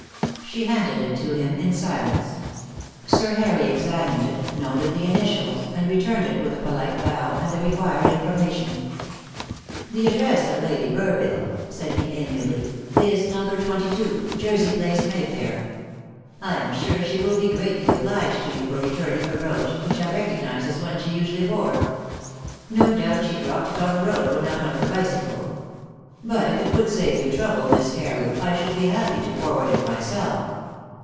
She handed it to him in silence. Sir Harry examined it, noted the initials, and returned it with a polite bow and the required information. "The address of Lady Burville," said he amiably, "is No. 22, Jersey Place, Mayfair. I am sure she will be greatly obliged to you for returning her brooch, which I recognise as one she usually wore. No doubt she dropped it on the road when out on her bicycle. But if it would save you trouble, Miss Carew, I should be happy to forward it myself."